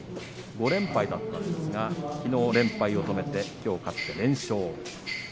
５連敗だったんですがきのう連敗を止めてきょう勝って連勝。